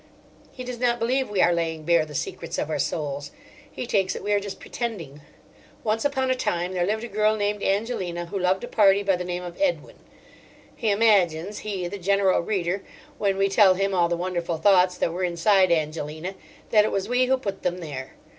He does not believe we are laying bare the secrets of our souls: he takes it we are just pretending. "Once upon a time there lived a girl named Angelina who loved a party by the name of Edwin." He imagines—he, the general reader—when we tell him all the wonderful thoughts that were inside Angelina, that it was we who put them there.